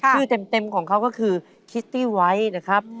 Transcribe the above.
เต็มของเขาก็คือคิตตี้ไวท์นะครับ